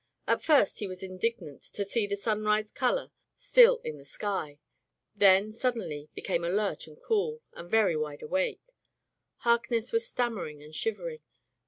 At first he was indignant to see the sunrise color still in the sky, then suddenly became alert and cool, and very wide awake. Harkness was stammering and shivering.